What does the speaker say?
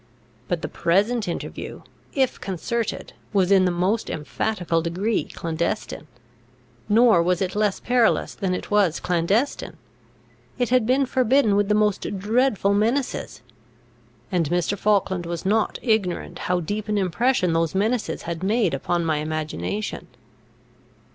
But the present interview, if concerted, was in the most emphatical degree clandestine. Nor was it less perilous than it was clandestine: it had been forbidden with the most dreadful menaces; and Mr. Falkland was not ignorant how deep an impression those menaces had made upon my imagination.